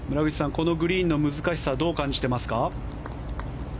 このグリーンの難しさどう感じていますか。